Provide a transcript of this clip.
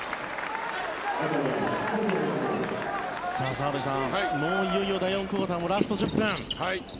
澤部さん、いよいよ第４クオーターもラスト１０分。